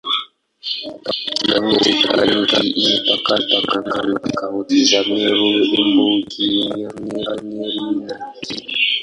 Kaunti ya Tharaka Nithi imepakana na kaunti za Meru, Embu, Kirinyaga, Nyeri na Kitui.